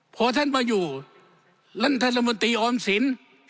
พอท่านมาอยู่รัฐธรรมดีออมศิลป์